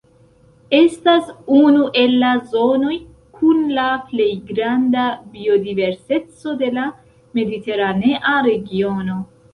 Estas unu el la zonoj kun la plej granda biodiverseco de la mediteranea regiono.